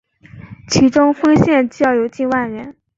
其中丰县教友近万人。